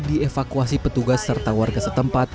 dievakuasi petugas serta warga setempat